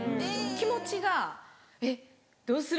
気持ちがえっどうする？